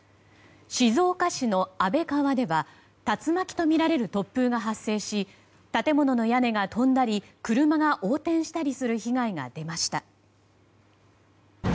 静岡市の安倍川では竜巻とみられる突風が発生し建物の屋根が飛んだり車が横転する被害が出ました。